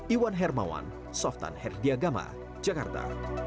iwan hermawan softan herdiagama jakarta